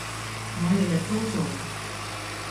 我日日都做